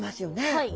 はい。